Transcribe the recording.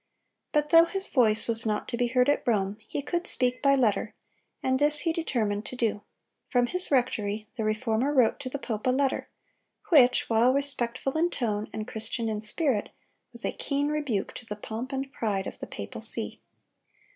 But though his voice was not to be heard at Rome, he could speak by letter, and this he determined to do. From his rectory the Reformer wrote to the pope a letter, which, while respectful in tone and Christian in spirit, was a keen rebuke to the pomp and pride of the papal see.